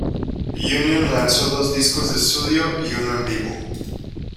Union lanzó dos discos de estudio y uno en vivo.